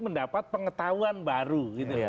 mendapat pengetahuan baru gitu